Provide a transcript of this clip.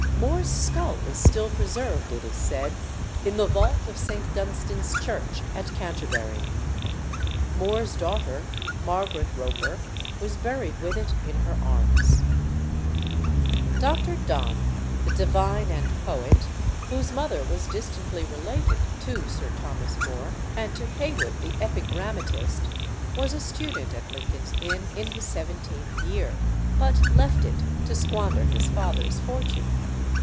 More's skull is still preserved, it is said, in the vault of St. Dunstan's Church at Canterbury. More's daughter, Margaret Roper, was buried with it in her arms. Dr. Donne, the divine and poet, whose mother was distantly related to Sir Thomas More and to Heywood the epigrammatist, was a student at Lincoln's Inn in his seventeenth year, but left it to squander his father's fortune.